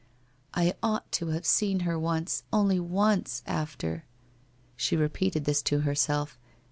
* I ought to have seen her once, only once, after! ' She repeated this to herself.